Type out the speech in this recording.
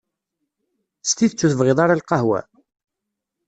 S tidet ur tebɣiḍ ara lqahwa?